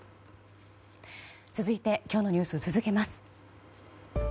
続いて今日のニュース、続けます。